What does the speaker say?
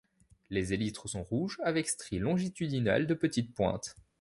Les élytres sont rouges avec stries longitudinales de petites pointes.